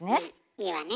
いいわね？